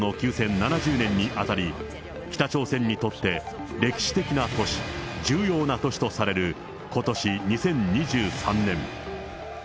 ７０年に当たり、北朝鮮にとって、歴史的な年、重要な年とされることし２０２３年。